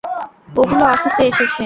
ওগুলো অফিসে এসেছে?